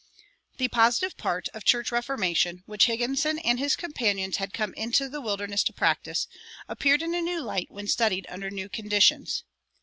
"The positive part of church reformation," which Higginson and his companions had come into the wilderness to practice, appeared in a new light when studied under the new conditions.